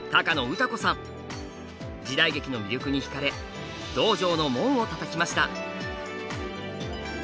時代劇の魅力にひかれ道場の門をたたきました。